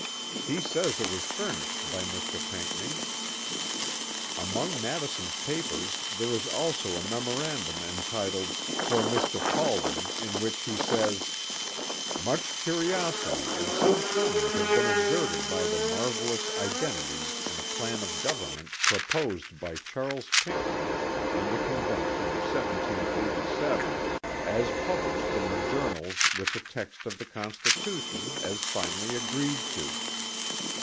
He says it was furnished by Mr. Pinckney." Among Madison's papers there is also a memorandum entitled, for Mr. Paulding in which he says: "Much curiosity and some comment have been exerted by the marvellous identities in a plan of government proposed by Charles Pinckney in the convention of 1787, as published in the Journals with the text of the constitution, as finally agreed to."